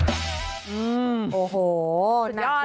โอ้โหน่าสุดนะ